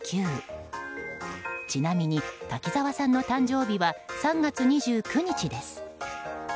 ちなみに、滝沢さんの誕生日は３月２９日です。